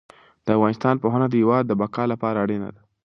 د افغانستان پوهنه د هېواد د بقا لپاره اړینه ده.